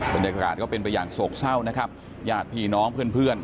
บรรยากาศก็เป็นไปอย่างโศกเศร้านะครับญาติพี่น้องเพื่อนเพื่อน